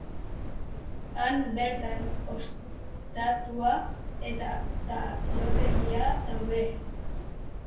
Han bertan ostatua eta talotegia daude.